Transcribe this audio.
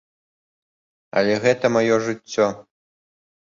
Але гэта маё жыццё.